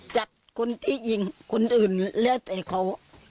จากคนที่ยิงคนอื่นแล้วแต่เขา